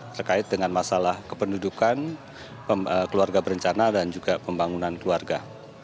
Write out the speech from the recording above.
terkait dengan masalah kependudukan keluarga berencana dan juga pembangunan keluarga